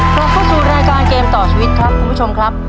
กลับเข้าสู่รายการเกมต่อชีวิตครับคุณผู้ชมครับ